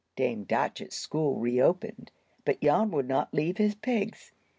Dame Datchett's school reopened, but Jan would not leave his pigs.